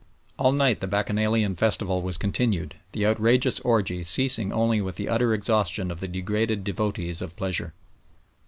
All night the Bacchanalian festival was continued, the outrageous orgie ceasing only with the utter exhaustion of the degraded devotees of pleasure.